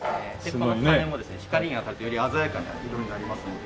この羽もですね光が当たるとより鮮やかな色になりますので。